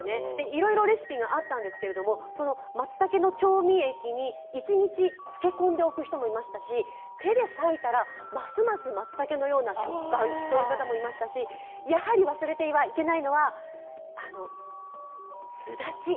いろいろレシピがあったんですけど、調味液に一日漬け込んでおく人もいましたし、手で割いたらますますマツタケのような食感という方もいましたし、忘れてはいけないのは、すだち。